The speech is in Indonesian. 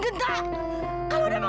tidak tidak tidak